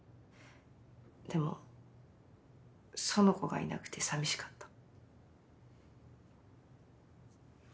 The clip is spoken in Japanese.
でも苑子がいなくてさみしかった。